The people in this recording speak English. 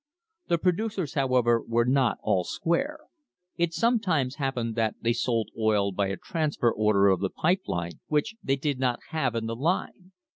The producers, however, were not all "square"; it sometimes happened that they sold oil by a transfer order on the pipe line, which they did not have in the line!